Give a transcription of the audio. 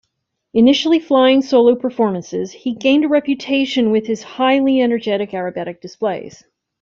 Initially flying solo performances, he gained a reputation with his highly energetic aerobatic displays.